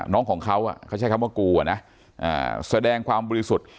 น้องของเขาเขาใช้คำว่ากูนะแสดงความบุรีสุด